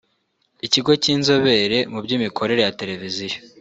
Ikigo cy’inzobere mu by’imikorere ya Televiziyo